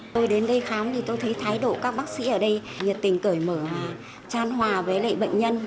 tôi đến đây khám thì tôi thấy thái độ các bác sĩ ở đây nhiệt tình cởi mở tràn hòa với lại bệnh nhân